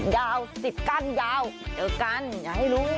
ยาวติดกั้นยาวเจอกันอย่าให้รู้